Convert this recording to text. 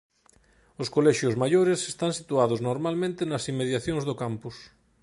Os colexios maiores están situados normalmente nas inmediacións do campus.